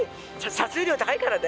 撮影料高いからね。